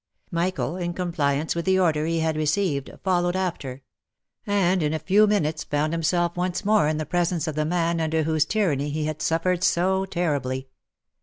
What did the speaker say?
Michael, in compliance with the order he had received, followed after; and in a few minutes, found himself once more in the presence of the man under whose tyranny he had suffered so terribly.